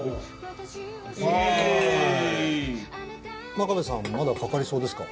真壁さんまだかかりそうですか？